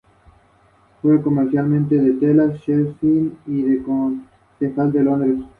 Su cabeza es plana y en pendiente con orejas caídas típicas de los sabuesos.